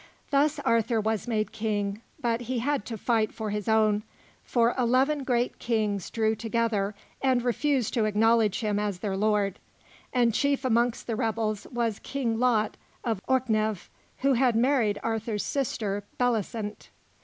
Thus Arthur was made King, but he had to fight for his own; for eleven great kings drew together and refused to acknowledge him as their lord, and chief amongst the rebels was King Lot of Orknev who had married Arthur's sister, Bellicent.